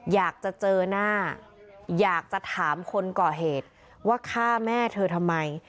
อยากจะเจอหน้าอยากจะถามคนก่อเหตุว่าฆ่าแม่เธอทำไม